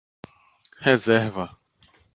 Reserva